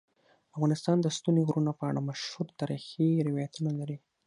افغانستان د ستوني غرونه په اړه مشهور تاریخی روایتونه لري.